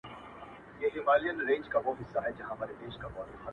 د وصل شپې مي د هر خوب سره پیوند وهلي؛